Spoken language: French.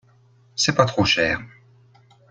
C'est pas trop cher.